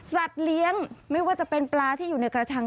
เลี้ยงไม่ว่าจะเป็นปลาที่อยู่ในกระชัง